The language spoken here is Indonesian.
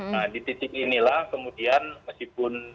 nah di titik inilah kemudian meskipun